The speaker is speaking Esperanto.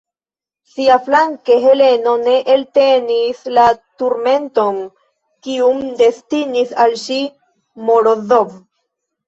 Siaflanke Heleno ne eltenis la turmenton, kiun destinis al ŝi Morozov.